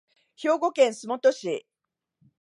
兵庫県洲本市